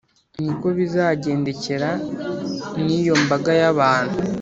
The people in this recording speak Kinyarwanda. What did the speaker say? Ni ko bizagendekera n’iyo mbaga y’abantu,